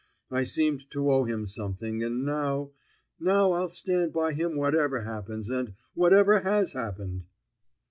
I seemed to owe him something, and now now I'll stand by him whatever happens and whatever has happened!"